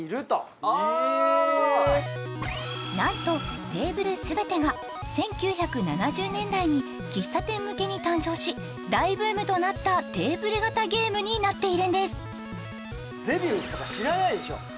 何とテーブル全てが１９７０年代に喫茶店向けに誕生し大ブームとなったテーブル型ゲームになっているんです「ゼビウス」とか知らないでしょ？